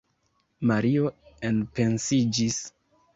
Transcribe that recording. Mario enpensiĝis.